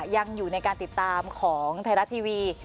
ยังอยู่ในการติดตามของไทยรัฐทีวี